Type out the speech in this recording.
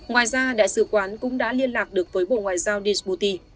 ngoài ra đại sứ quán cũng đã liên lạc được với bộ ngoại giao dshuti